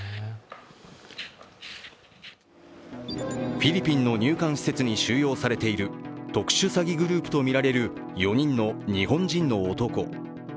フィリピンの入管施設に収容されている特殊詐欺グループとみられる４人の日本人の男。